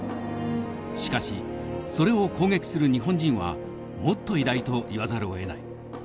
しかしそれを攻撃する日本人はもっと偉大と言わざるをえない。